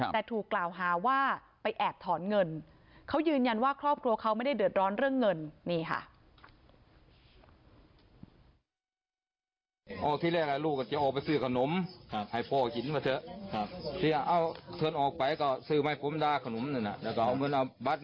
แต่ถูกกล่าวหาว่าไปแอบถอนเงินเขายืนยันว่าครอบครัวเขาไม่ได้เดือดร้อนเรื่องเงินนี่ค่ะ